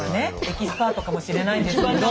エキスパートかもしれないんですけど。